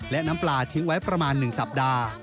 และน้ำปลาทิ้งไว้ประมาณ๑สัปดาห์